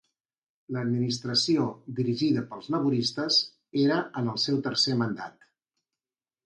L'administració dirigida pels laboristes era en el seu tercer mandat.